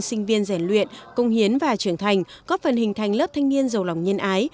sinh viên rèn luyện công hiến và trưởng thành góp phần hình thành lớp thanh niên giàu lòng nhân ái